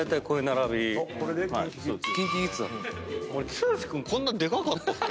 剛君こんなでかかったっけ？